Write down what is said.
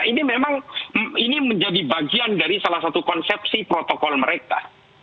ini memang ini menjadi bagian dari salah satu konsepsi protokol mereka